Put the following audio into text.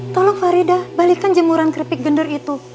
tolong farida balikkan jemuran keripik gender itu